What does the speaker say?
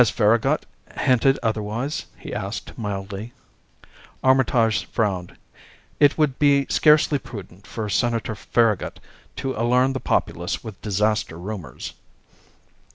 "Has Farragut hinted otherwise?" he asked mildly. Armitage frowned. "It would be scarcely prudent for Senator Farragut to alarm the populace with disaster rumors."